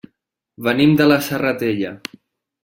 Venim de la Serratella.